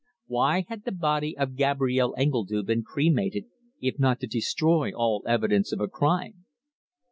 Why had the body of Gabrielle Engledue been cremated if not to destroy all evidence of a crime?